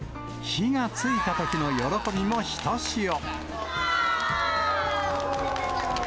火がついたときの喜びもひとしお。